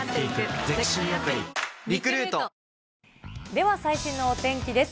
では最新のお天気です。